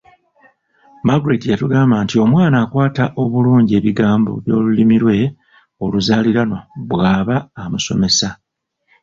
Margret yatugamba nti omwana akwata obulungi ebigambo by'Olulimi lwe oluzaaliranwa bw'aba amusomesa.